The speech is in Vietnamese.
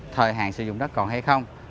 thời hạn sử dụng đất còn hay không